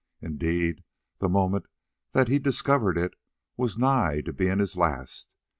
Indeed, the moment that he discovered it was nigh to being his last.